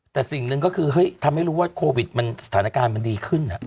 แต่สิ่งหนึ่งก็คือเฮ้ยทำให้รู้ว่าโควิดมันสถานการณ์มันดีขึ้น